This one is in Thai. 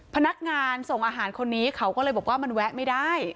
พนักงานส่งอาหารคนนี้เขาก็เลยบอกว่ามันแวะไม่ได้